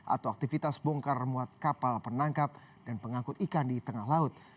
atau aktivitas bongkar muat kapal penangkap dan pengangkut ikan di tengah laut